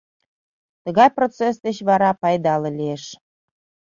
Тыгай процесс деч вара пайдале лиеш.